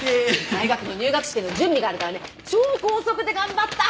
大学の入学試験の準備があるからね超高速で頑張った。